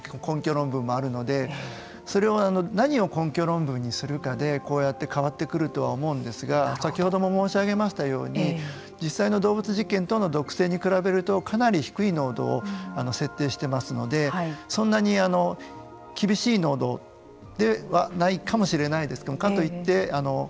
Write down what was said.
論文があるのでそれを何を根拠論文にするかでこうやって変わってくると思うんですが先ほども申し上げましたように実際の動物実験等に比べるとかなり低い濃度を設定していますのでそんなに厳しい濃度ではないかもしれないです。